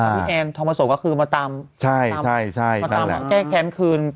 อ่าพี่แอนธรรมศพก็คือมาตามใช่ใช่ใช่ใช่แบบนั้นแหละแก้แค้นคืน